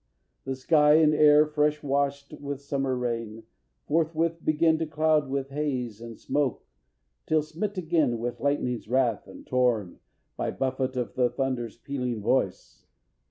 The sky and air fresh washed with summer rain Forthwith begin to cloud with haze and smoke Till smit again with lightning's wrath, and torn By buffet of the thunder's pealing voice.